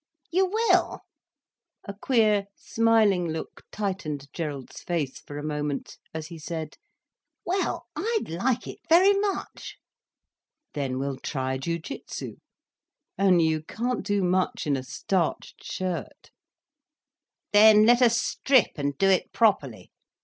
"You will?" A queer, smiling look tightened Gerald's face for a moment, as he said, "Well, I'd like it very much." "Then we'll try jiu jitsu. Only you can't do much in a starched shirt." "Then let us strip, and do it properly.